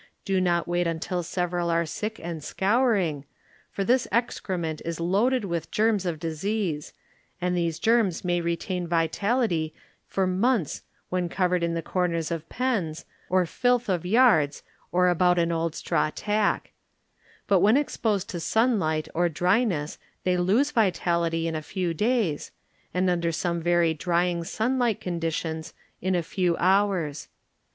Do not wait until several are sick and scouring, for this excre ment is loaded with germs of disease, and these germs may retain vitality many month* when covered in the corners of pens, or filth of yards, or about an old straw stack; but when exposed to sim light or dryness they lose vitality in a few days, and under some very dnnng sunlight conditions in a few hours.